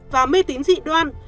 và mê tín dị đoan